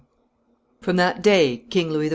] From that day King Louis XIV.